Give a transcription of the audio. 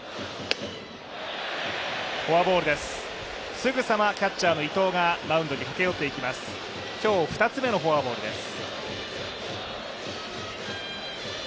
すぐさまキャッチャーの伊藤がマウンドに駆け寄っていきます、今日、２つ目のフォアボールです。